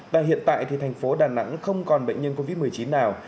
và hiện tại thì thành phố đà nẵng không còn bệnh nhân covid một mươi chín nào